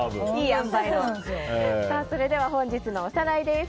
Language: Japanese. それでは本日のおさらいです。